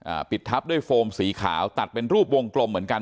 ปิดทับด้วยโฟมสีขาวตัดเป็นรูปวงกลมเหมือนกัน